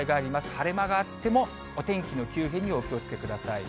晴れ間があっても、お天気の急変にお気をつけください。